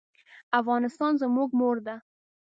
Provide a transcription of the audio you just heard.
افغانستان زموږ مور ده.